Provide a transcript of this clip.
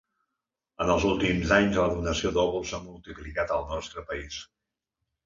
En els últims anys la donació d’òvuls s’ha multiplicat al nostre país.